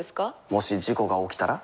もし事故が起きたら？